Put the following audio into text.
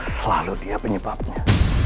selalu dia penyebabnya